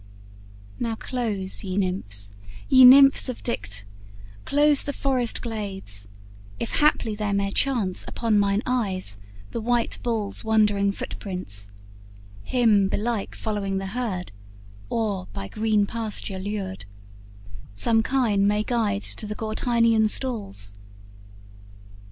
Now close, ye Nymphs, Ye Nymphs of Dicte, close the forest glades, If haply there may chance upon mine eyes The white bull's wandering foot prints: him belike Following the herd, or by green pasture lured, Some kine may guide to the Gortynian stalls.